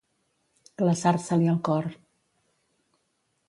Glaçar-se-li el cor.